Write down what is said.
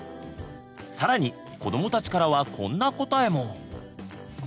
更にこどもたちからはこんな答えも。